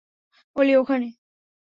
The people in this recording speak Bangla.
ওলি, ওখানে!